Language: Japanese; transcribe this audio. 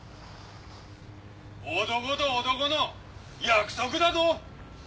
男と男の約束だど！